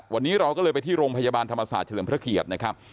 วันนี้เราก็เลยไปที่โรงพยาบาลธรรมศาสตร์เฉลิมพระเกียรตินะครับ